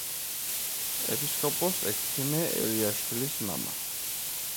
ეპისკოპოს ექვთიმე ელიაშვილის მამა.